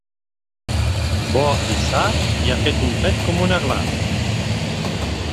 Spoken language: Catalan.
Bo i sa i ha fet un pet com un aglà.